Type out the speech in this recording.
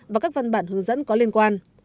và các văn bản hướng dẫn có liên quan